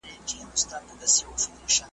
هم به جاله وي هم یکه زار وي `